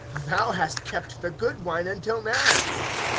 Thou hast kept the good wine until now.